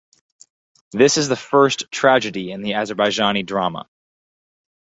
This is the first tragedy in the Azerbaijani drama.